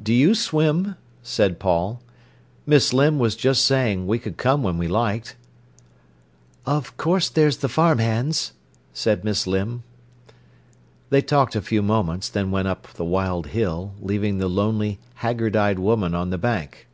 "Do you swim?" said Paul. "Miss Limb was just saying we could come when we liked." "Of course there's the farm hands," said Miss Limb. They talked a few moments, then went on up the wild hill, leaving the lonely, haggard eyed woman on the bank.